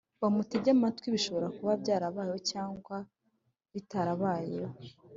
bamutega amatwi, bishobora kuba byarabayeho cyangwa bitarabayeho,